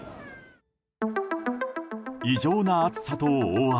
異常な暑さと大雨。